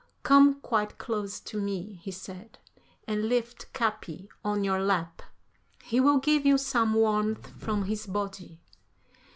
"Come quite close to me," he said, "and lift Capi on your lap. He will give you some warmth from his body."